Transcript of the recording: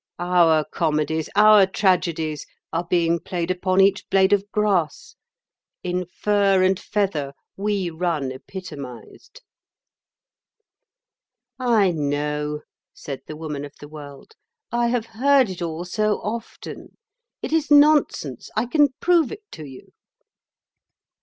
Our comedies, our tragedies, are being played upon each blade of grass. In fur and feather we run epitomised." "I know," said the Woman of the World; "I have heard it all so often. It is nonsense; I can prove it to you."